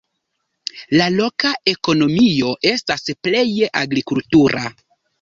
La loka ekonomio estas pleje agrikultura.